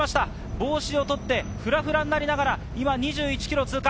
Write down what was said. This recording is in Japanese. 帽子を取って、ふらふらになりながら２１ｋｍを通過。